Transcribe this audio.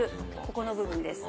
ここの部分です